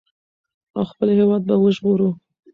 او خپل هېواد به وژغورو.